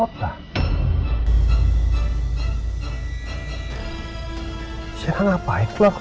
atau kenapa napa lagi